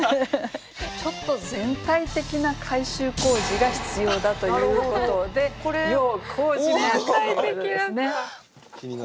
ちょっと全体的な改修工事が必要だということで要工事マークということですね。